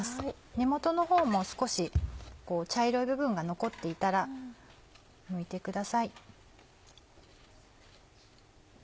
根元の方も少し茶色い部分が残っていたらむいてください。